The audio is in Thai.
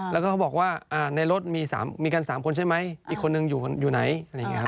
แล้วก็เขาบอกว่าอ่าในรถมีสามมีกันสามคนใช่ไหมอีกคนนึงอยู่อยู่ไหนอะไรอย่างเงี้ยครับ